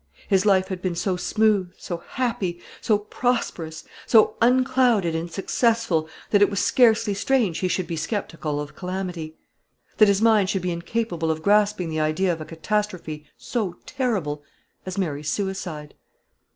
His life had been so smooth, so happy, so prosperous, so unclouded and successful, that it was scarcely strange he should be sceptical of calamity, that his mind should be incapable of grasping the idea of a catastrophe so terrible as Mary's suicide.